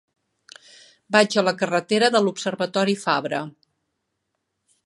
Vaig a la carretera de l'Observatori Fabra.